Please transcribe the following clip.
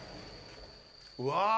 うわ。